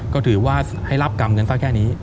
ก็ถือว่าให้รับกรรมเงินซะแค่นี้